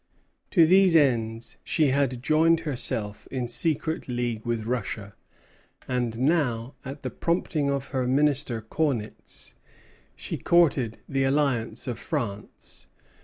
To these ends she had joined herself in secret league with Russia; and now at the prompting of her minister Kaunitz she courted the alliance of France.